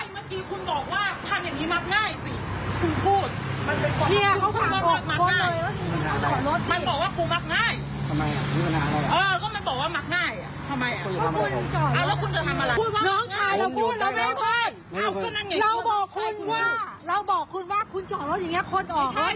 เมื่อกี้คุณบอกว่าทำอย่างนี้มักง่ายสิ